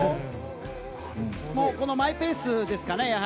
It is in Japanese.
マイペースですかね。